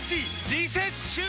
リセッシュー！